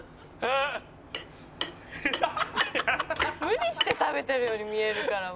「無理して食べてるように見えるから」